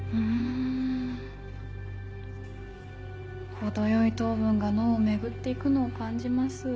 程よい糖分が脳を巡って行くのを感じます。